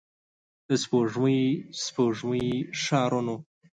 د سپوږمۍ، سپوږمۍ ښارونو